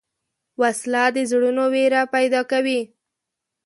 وسله د زړونو وېره پیدا کوي